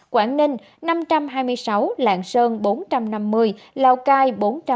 quảng ninh năm trăm hai mươi sáu lạng sơn bốn trăm năm mươi lào cai bốn trăm bốn mươi bốn